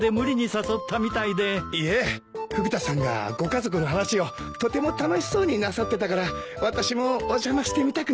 いえフグ田さんがご家族の話をとても楽しそうになさってたから私もお邪魔してみたくなって。